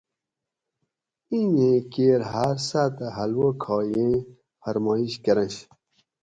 اینیں کیر ہاۤر ساۤتہ حلوہ کھاگیں فرمایش کرنش